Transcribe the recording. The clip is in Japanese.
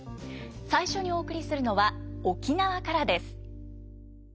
最初にお送りするのは沖縄からです。